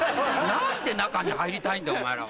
何で中に入りたいんだお前らは。